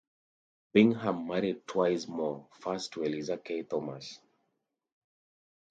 Bingham married twice more, first to Eliza K. Thomas.